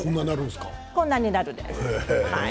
こんなになるんですか？